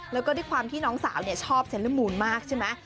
แล้วก็ที่ความน้องสาวชอบเซลล์อร์มูลมากใช่ไหม